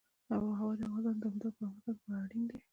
آب وهوا د افغانستان د دوامداره پرمختګ لپاره اړین دي.